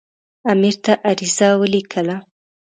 امیر ته عریضه ولیکله.